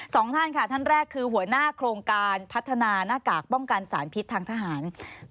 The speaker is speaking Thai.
สองท่านค่ะท่านแรกคือหัวหน้าโครงการพัฒนาหน้ากากป้องกันสารพิษทางทหาร